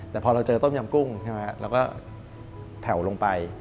แต่พอเราเจอต้มยำกุ้งใช่ไหมเราก็แถวลงไป